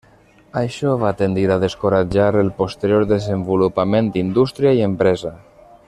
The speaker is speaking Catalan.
Això va tendir a descoratjar el posterior desenvolupament d'indústria i empresa.